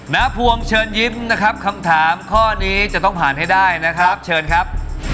พวงเชิญยิ้มนะครับคำถามข้อนี้จะต้องผ่านให้ได้นะครับเชิญครับ